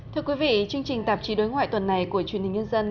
thưa quý vị chương trình tạp chí đối ngoại tuần này của truyền hình nhân dân